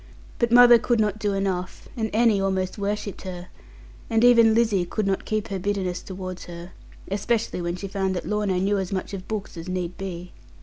But mother could not do enough; and Annie almost worshipped her; and even Lizzie could not keep her bitterness towards her; especially when she found that Lorna knew as much of books as need be.